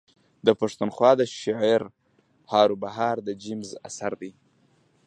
د پښتونخوا د شعرهاروبهار د جيمز اثر دﺉ.